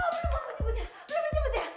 oh belum aku nyebutnya belum nyebutnya